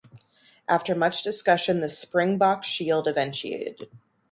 After much discussion the Springbok Shield eventuated.